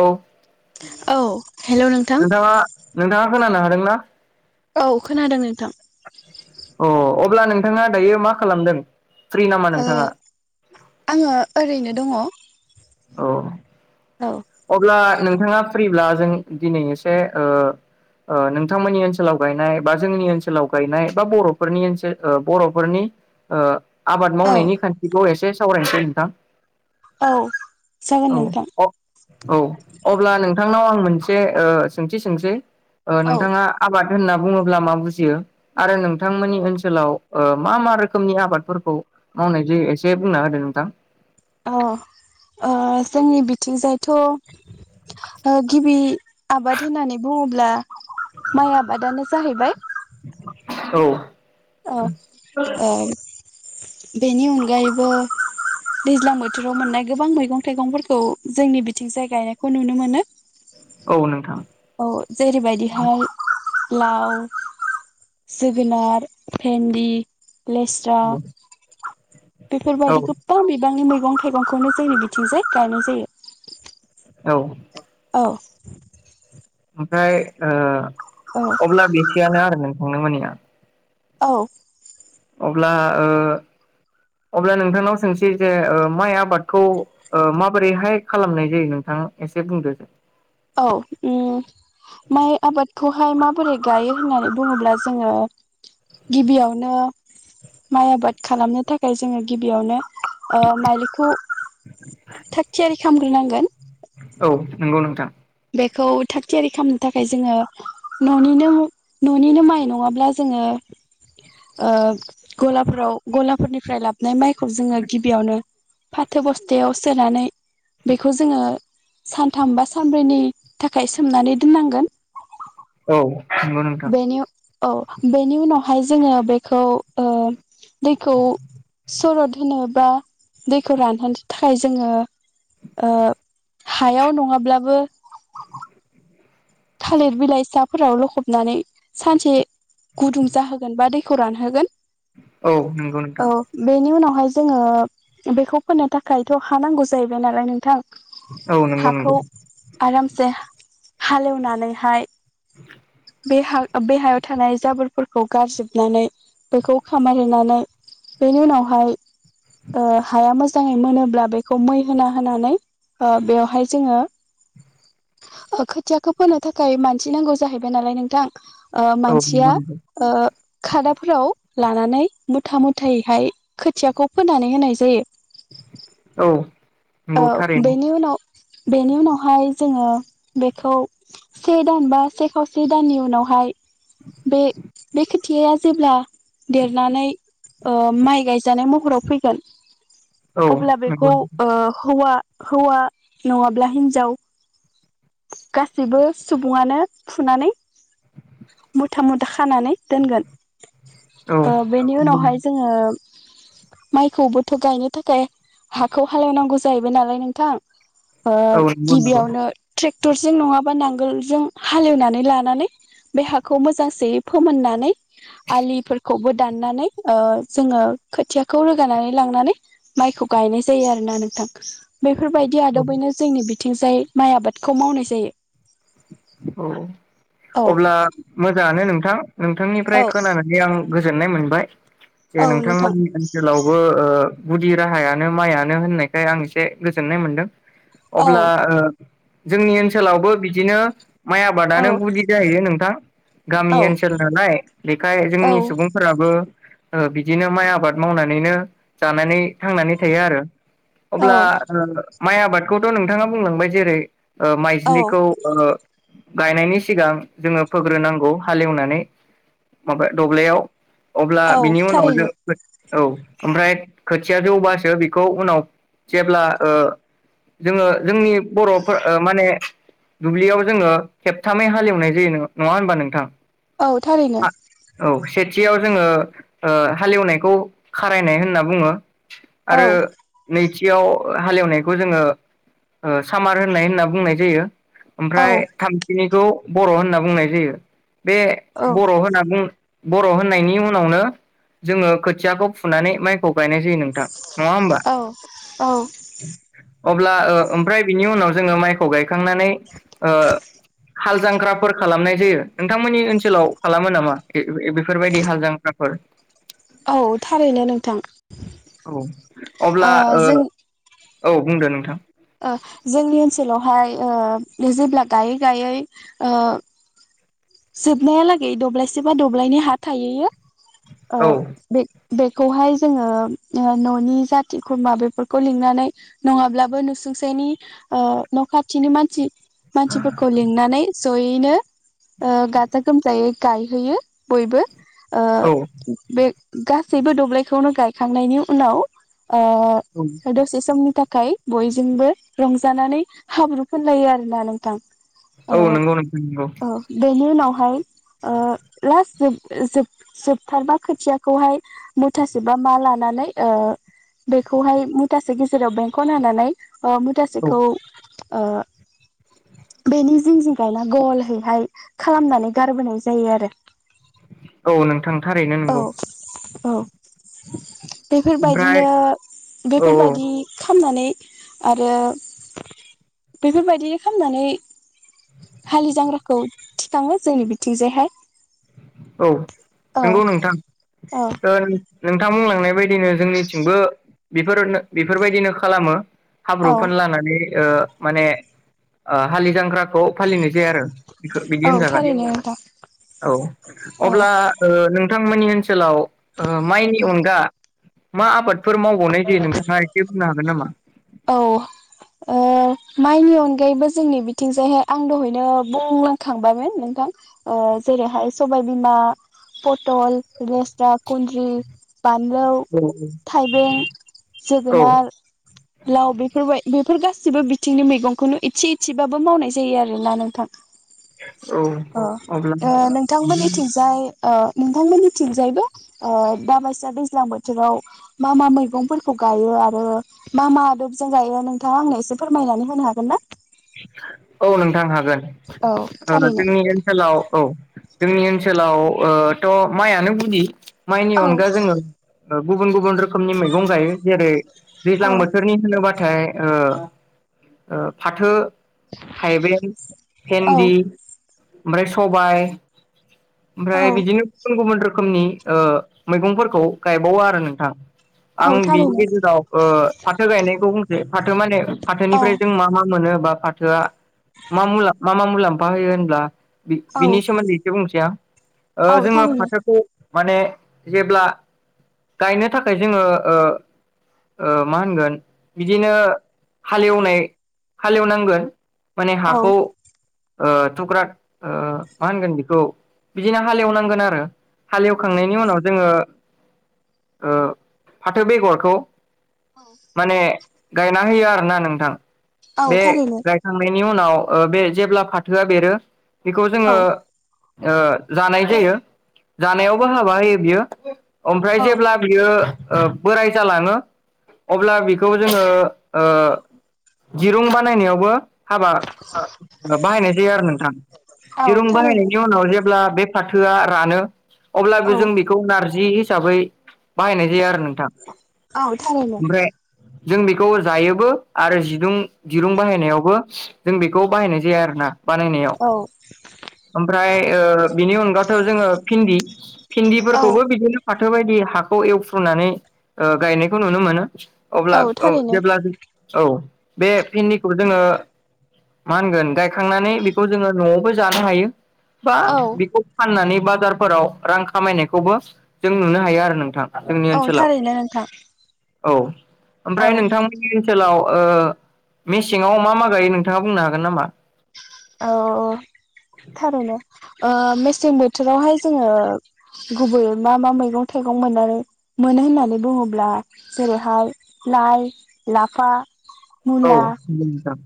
औ औ हेलौ नोंथां नोंथाङा नोंथाङा खोनानो हादोंना? औ खोनादों नोंथां। अ अब्ला नोंथाङा दायो मा खालामदों? फ्रि नामा ओ नोंथाङा आङो ओरैनो दङ। औ औ अब्ला नोंथाङा फ्रिब्ला जों दिनै एसे नोंथांमोननि ओनसोलाव गायनाय बा जोंनि ओनसोलाव गायनाय बा बर'फोरनि ओनसोल बर'फोरनि ओ आबाद औ मावनायनि खान्थिखौ एस [unintelligible] सावरायनोसै नोंथां औ जागोन औ नोंथां अ औ अब्ला नोंथांनाव आं मोनसे ओ सोंथि सोंसै ओ औ नोंथाङा आबाद होनना बुङोब्ला मा बुजियो आरो नोंथांमोननि ओनसोलाव ओ मा मा रोखोमनि आबादफोरखौ मावनाय जायो एसे बुंना होदो नोंथां । अ ओ जोंनि बिथिंजायथ' ओ गिबि आबाद होननानै बुङोब्ला माइ आबादानो जाहैबाय । औ अ औ बेनि अनगायैबो दैज्लां बोथोराव मोननाय गोबां मैगं थाइगंफोरखौ जोंनि बिथिंजाय गायनायखौ नुनो मोनो । औ नोंथां औ जेरैबायदिहाय लाव जोगोनार भेन्दि लेस्रा औ बेफोरबायदि गोबां बिबांनि मैग गं थाइगंखौनो जोंनि बिथिंजाय गायनाय जायो । औ औ ओमफाय ओ औ अब्ला [unintelligible] आरो [unintelligible] [unintelligible] औ अब्ला ओ अब्ला नोंथांनाव सोंसै जे माइ आबादखौ ओ माबोरैहाय खालामनाय जायो नोंथां एसे बुंदो दे । औ उम बोरै गायो होननानै बुङोब्ला जोङो गिबियावनो माइ आबाद खालामनो थाखाय जोङो गिबियावनो ओ माइलिखौ थाग थियारि खामग्रोनांगोन । नोंगौ नोंथां बेखौ थाग थियारि खालामनो थाखाय जोङो न'निनो न'निनो माइ नङाब्ला जोङो ओ गलाफोराव गलाफोरनिफ्राय लाबनाय माइखौ जोङो गिबियावनो फाथो बस्थायाव सोनानै बेखौ जोङो सानथाम बा सान [unintelligible] थाखाय सोमनानै दोननांगोन । औ नोंगौ नोथां औ बेनि उनावहाय जोङो बेखौ ओ दैखौ सरद होनो बा दैखौ रानहोनो थाखाय जोङो ओ हायाव नङाब्लाबो थालिर बिलाइ साफोराव लखबनानै सानसे गुदुं जाहोगोन बा दैखौ रानहोगोन । औ नंगौ नोंथां [unintelligible] जोङो बेखौ फोनो थाखायथ' हा नांगौ जाहैबाय नालाय नोंथां औ । नंगौ नंगौ हाखौ आरामसे हालेव नानैहाय बे हा बे हायाव थानाय जाबोरफोरखौ गारजोबनानै बेखौ खामार होनोनानै बेनि उनावहाय ओ हाया मोजाङै मोनोब्ला बेखौ मै होना होनानै ओ बेवहाय जोङो ओ खोथियाखो फोनो थाखाय मानसि नांगौ जाहैबाय नालाय नोंथां ओ औ नंगौ मानसिया नंगौ ओ खादाफोराव लानानै मुथा मुथायैहाय खोथियाखौ फोनानै होनाय जायो। औ औ नंगौ थारैनो बेनि उनाव बेनि उनावहाय जोंङो बेखौ से दान बा से खावसे दाननि उनावहाय बे-बे खोद थिया जेब्ला देरनानै ओ माइ गायजानाय महराव फैगोन औ अब्ला नंगौ बेखौ ओ हौवा हौवा नंङाब्ला हिन्जाव गासैबो सुबुंङानो फुनानै मुथा मुथा खानानै दोनगोन। औ ओ बेनि नंगौ उनावहाय जोंङो माइखौ बोथ' गायनो थाखाय हाखौ हालोवनांगौ जायो बैय नालाय नोंथां ओ औ नंगौ नंगौ गिबियावनो ट्रेक जों नंङाबा नांगोलजों हालेवनानै लानानै बे हाखौ मोजांसेयै फोमोननानै आलिफोरखौबो दाननानै ओ जोंङो खोथियाखौ रोगानानै लांनानै माइखौ गायनाय जायो आरोना नोंथां। बेफोरबायदि औ आदबैनो जोंनि बि थिंजाय माइ आबादखौ मावनाय जायो। अ औ अब्ला मोजांङानो नों थां नोंथां निफ्राय औ खोनानानै आं गोजोननाय मोनबाय। जे औ नोंथां नोंथांमोननि ओनसोलावबो ओ गुदि राहायानो माइयानो होननायखाय आं एसे गोजोननाय मोनदों। औ अब्ला जोंनि ओनसोलावबो बि दिनो माइ औ आबादानो गुदि जाहैयो नोंथां। औ गामि ओनसोल नालाय बेखाय औ जोंनि सुबुंफोराबो ओ बिदिनो माइ आबाद मावनानैनो जानानै थांनानै थायो आरो। अब्ला औ ओ माइ आबादखौथ नोंथांङा बुंलांबाय जेरै ओ औ माइज्लिखौ गायनायनि सिगां जोंङो फोग्रोनांगौ हालेवनानै माबा दब्लयाव। अब्ला औ बिनि उनाव जों थारैनो औ ओमफ्राय खोथिया जौबासो बेखौ उनाव जेब्ला ओ जोंङो जोंनि बरफोर माने दुब्लियाव जोंङो खेबथामै हालेवनाय जायो नंङा होनमबा नोंथां? औ थारैनो। औ सेथियाव जोंङो ओ हालेवनायखौ खारायनाय होनना बुङो। औ आरो नै सेथियाव हालेवनायखौ जोंङो ओ सामार होननाय होनना बुंनाय जायो। औ ओमफ्राय थामथिनिखौ बर होनना बुंनाय जायो। बे औ बर होनना बुं बर होननायनि उनावनो, जोंङो खोथियाखौ फुनानै माइ खौ गायनाय जायो नोंथां, नंङा होनबा? औ औ अब्ला ओमफ्राय बिनि उनाव जोंङो माइखौ गायखांनानै ओ हाल जांख्राफोर खालामनाय जायो, नोंथांमोननि ओनसोलाव खालामो नामा बेफोरबायदि हाल जांख्राफोर? औ थारैनो नोंथां। औ अब्ला। ओ जों औ बुंदो नोंथां। ओ जोंनि ओनसोलावहाय जेब्ला गायै-गायै जोबनायालागै दब्लायसे बा दब्लायनि हा थाहैयो। ओ औ बे बेखौहाय जोंङो ननि जाथि खुरमा बेफोरखौ लिंनानै नंङाब्लाबो नुसुंसेनि नखाथिनि मानसि मानसिफोरखौ लिंनानै जयैनो गाजा गोमजायै गायहोयो बयबो। औ बे। गासैबो दबलायखौनो गायखांनायनि उनाव। दसे समनि थाखाय। बयजोंबो रंजानानै हाब्रु फोनलायो आरोना नोंथां। औ ओ नंगौ नोंगौ नंगौ। औ बेनि उनावहाय, लास्ट जोब जोबथारबा खोथियाखौहाय मुथासे बा मा लानानै बेखौहाय मुथासे गेजेराव बेंखन होनानानै। औ मुथासेखौ बेनि जिं जिं गायना गलैहाय खालामनानै गारबोनाय जायो आरो। औ नोंथां थारैनो औ नोंगौ। औ। ओमफ्राय बेफोरबायदिनो औ बेफोरबायदि औ खामनानै आरो बेफोरबायदि खामनानै हालि जांग्राखौ थिखाङो जोंनि बिथिंजायहाय। औ। औ नोंगौ नोंथां। औ ओ नोंथां बुंलां लांनाय बायदिनो जोंनिथिंबो बेफोर-बेफोरबायदिनो खालामो। हाब्रु औ फोनलानानै ओ माने ओ हालि जांख्रा खौ फालिनाय जाया आरो बेखो बिदि औ होनजागोन थारैनो नोंथां औ। अब्ला ओ नों नोंथांमोननि ओनसोलाव माइनि अनगा मा आबाद फोर मावबावनाय जायो नोंथाङा एसे बुंनो हागोन नामा? औ ओ माइनि अनगायैबो जोंनि बिथिंजायहाय आं दहायनो बुंलांखांबायोन नोंथां। जेरैहाय सबाय बिमा, पटल, लेस्रा, खुन्द्रि बानलौ औ थायबें, औ जोगोनार, लाव बेफोर बेफोर गासैबो बिथिंनि मैगंखौनो इसे इसेबाबो मावनाय जायो आरो ना नोंथां। औ अ, अब्ला ओ नोंथांमोनथिंजाय ओ नोंथांमोननिथिंजायबो ओ दाबायसा दैज्लां बोथोराव मा मा मैगंफोरखौ गायो आरो मा मा आदबजों गायो नोंथाङा आंनो एसे फोरमायनानै होनो हागोन ना? औ नोंथां हा गोन। औ थारैनो जोंनि ओनसोलाव औ। जोंनि ओनसोलाव ओ थ' माइयानो गुदि। औ माइनि अनगा जोङो ओ गुबुन गुबुन रोखोमनि मैगं गायो। जेरै दैज्लां औ बोथोरनि होनोबा थाय ओ ओ फाथो थाइबें, औ भेन्दि, ओमफ्राय सबाइ औ ओमफ्राय बिदिनो गुबुन गुबुन रोखो खोमनि मैगंफोरखौ गायबावो आरो नोंथां। औ आं बिनि थारैनो गेजेराव ओ फाथो गायनायखौ बुं फाथो माने औ फाथोनिफ्राय जों मा मा मोनो बा फाथोआ मा मु मा मा मुलाम्फा होयो होनब्ला बि औ बिनि सोमोन्दै इसे बुंनोसै आं ओ औ जोङो थारैनो फाथोखौ माने जेब्ला गायनो थाखाय जोङो ओ ओ मा होनगोन बिदिनो हालेवनाय हालेवनांगोन। माने औ हाखौ ओ थुख्राट ओ मा होनगोन बेखौ बिदिनो हालेवनांगोन आरो हालेवखांनायनि उनाव जोङो ओ फाथो बेगरखौ माने गायना होयो आरोना नोंथां औ बे थारैनो गायखांनायनि नि उनाव ओ बे जेब्ला फाथोआ बेरो बेखौ जोङो औ ओ जानाय जायो जानायावबो हाबा होयो बियो। ओमफ्राय औ जेब्ला बियो ओ बोराय जालाङो अब्ला बेखौ जोङो ओ दिरुं बानायनायावबो हाबा बाहायनाय जायो आरो नोंथां औ दिरुं थारैनो बाहायनायनि उनाव जेब्ला बे फाथोआ रानो अब्लाबो औ जों बेखौ नारजि हि साबै बाहायनाय जायो आरो नोंथां औ थारैनो ओमफ्राय जों बेखौ जायोबो आरो जि दिरुं दिरुं बाहायनायावबो जों बेखौ बाहायनाय जाया आरोना। बानायनायाव औ ओमफ्राय ओ बिनि अनगाथ' जोङो फिन्दि औ फिन्दिफोरखौबो बिदिनो फाथो बायदि हाखौ एवफ्रुनानै ओ गायनायखौ नुनो मोनो। अब्ला औ जेब्ला जों औ बे फिन्दिखौ जोङो मा होनगोन गायखांनानै बेखौ जोङो न'आवबो जा नो हायो। बा औ बेखौ फाननानै बाजारफोराव रां खामायनायखौबो जों नुनो हायो आरो नोंथां। जोंनि औ ओनसोलाव थारैनो नोंथां । औ । ओमफ्राय नोंथांमोननि ओनसोलाव ओ मेसेङाव मा मा गायो नोंथाङा बुंनो हागोन नामा? औ थारैनो ओ मेसें बोथोरावहाय जोङो गुबैयै मा मा मैगं थाइगं मोननानै मोनो होननानै बुङोब्ला जेरैहाय लाइ, लाफा, औ मुला मोजां ।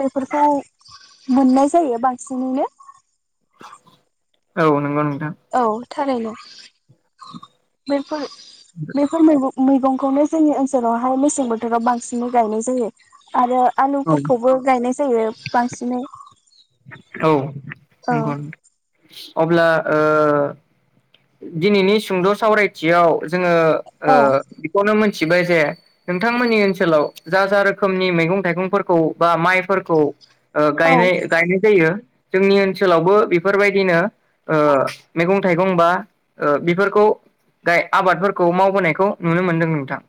बेफोरखौ मोननाय जायो बांसिनैनो । औ नंगौ नों औ । थारैनो बे फोर बेफोर मैगं मैगंखौनो जोंनि ओनसोलावहाय मेसें बोथोराव बांसिनै गायनाय जायो । आरो औ आलुफोरखौबो गायनाय जायो बांसिनै । औ नोंगौ ओं । अब्ला ओ दिनैनि सुंद' सावरायथियाव जोङो ओ औ बेखौनो मोन थिबाय जे नोंथांमोननि ओनसोलाव जा जा रोखोमनि मैगं थाइगंफोरखौ बा माइफोरखौ ओ औ गायनाय ओ गायनाय जायो जोंनि ओनसोलावबो बेफोरबायदिनो ओ मैगं थाइगं बा ओ बेफोरखौ गाय आबादफोरखौ मावबोनायखौ नुनो मोनदों नोंथां ।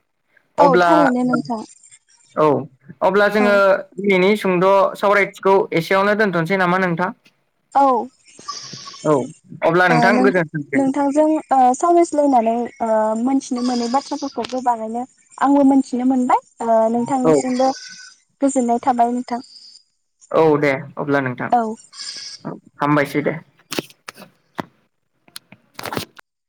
औ थारैनो नोंथां । औ । अब्ला जोङो दिनैनि सुंद' सावरायथिखौ एसेयावनो दोनथ'नोसै नामा नोंथां? औ ओ औ अब्ला नोंथां गोजोनथोंसै । जों ओ सावरायज्लायनानै ओ मिथिनो मोनै बाथ्राफोरखौबो गोबाङैनो आंबो मोनथिनो मोनबाय ओ औ नोंथांनिसिमबो गोजोननाय थाबाय नोंथां । औ दे अब्ला नोंथां औ । हामबायसै दे ।